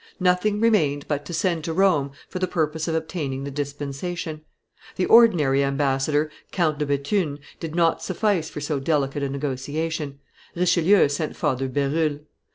Nothing remained but to send to Rome for the purpose of obtaining the dispensation. The ordinary ambassador, Count de Bethune, did not suffice for so delicate a negotiation; Richelieu sent Father Berulle.